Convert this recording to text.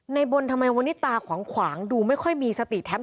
ในบนทำไมวันนี้ตาขวางขวางดูไม่ค่อยมีสติแถม